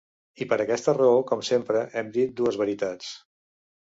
I per aquesta raó, com sempre, hem dit dues veritats.